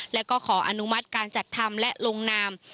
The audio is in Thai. และก็ขออนุมัติการจัดทำและลงนาม